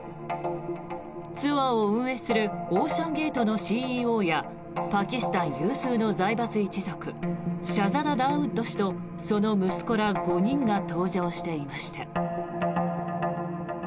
ツアーを運営するオーシャンゲートのＣＥＯやパキスタン有数の財閥一族シャザダ・ダーウッド氏とその息子ら５人が搭乗していました。